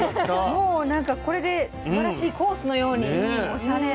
もうこれですばらしいコースのようにおしゃれ。